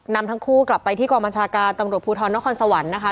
นำทั้งคู่กลับไปที่กองบัญชาการตำรวจภูทรนครสวรรค์นะคะ